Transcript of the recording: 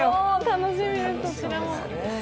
楽しみです、そちらも。